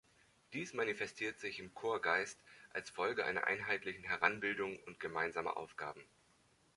Dies manifestiert sich im "Korpsgeist" als Folge einer einheitlichen Heranbildung und gemeinsamer Aufgaben.